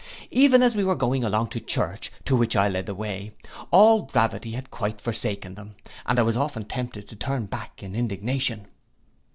Even as we were going along to church, to which I led the way, all gravity had quite forsaken them, and I was often tempted to turn back in indignation.